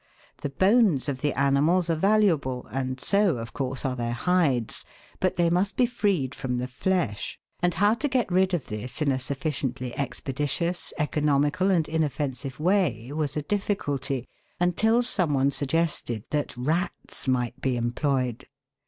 The bones of the animals are valuable , and so, of course, are their hides ; but they must be freed from the flesh, and how to get rid of this in a sufficiently expeditious, economical, and inoffensive way, was a difficulty, until some one suggested that rats might be employed.